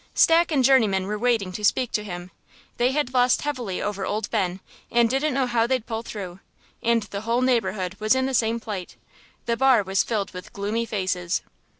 Stack and Journeyman were waiting to speak to him. They had lost heavily over old Ben and didn't know how they'd pull through; and the whole neighbourhood was in the same plight; the bar was filled with gloomy faces.